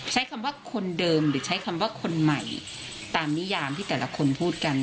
ใช้คำว่าคนเดิมหรือใช้คำว่าคนใหม่ตามนิยามที่แต่ละคนพูดกัน